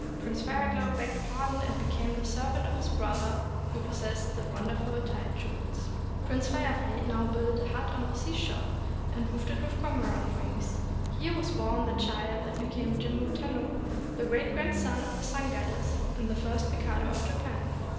Prince Fire Glow begged pardon and became the servant of his brother who possessed the wonderful tide jewels. Prince Fire Fade now built a hut on the seashore, and roofed with it cormorant wings. Here was born the child that became Jimmu Tenno, the great grandson of the Sun Goddess, and the first Mikado of Japan.